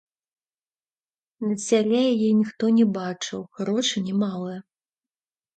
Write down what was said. На сяле яе ніхто не бачыў, грошы не малыя.